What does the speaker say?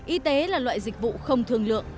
y tế là loại dịch vụ không thường lượng